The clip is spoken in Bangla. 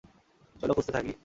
চলো খুঁজতে থাকি।